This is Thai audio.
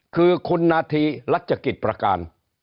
คือคุณนาธีรัชกิจประการ